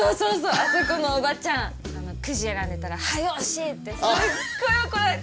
あそこのおばちゃんくじ選んでたら「早うし！」ってすっごい怒られた。